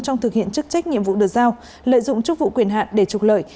trong thực hiện chức trách nhiệm vụ được giao lợi dụng chức vụ quyền hạn để trục lợi